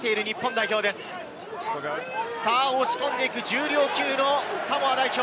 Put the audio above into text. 押し込んでいく重量級のサモア代表。